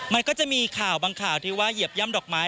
มันก็จะมีข่าวบางข่าวที่ว่าเหยียบย่ำดอกไม้